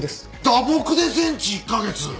打撲で全治１カ月！？